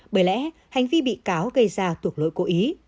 bởi lẽ hành vi bị cáo gây ra thuộc lỗi cố ý